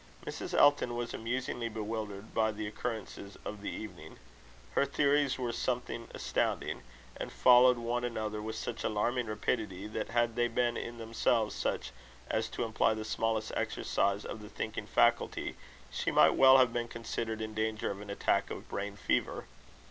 Mrs. Elton was amusingly bewildered by the occurrences of the evening. Her theories were something astounding; and followed one another with such alarming rapidity, that had they been in themselves such as to imply the smallest exercise of the thinking faculty, she might well have been considered in danger of an attack of brain fever.